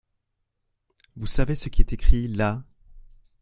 Vous savez ce qui est écrit là ?